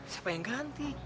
siapa yang tau